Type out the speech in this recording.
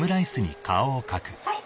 はい！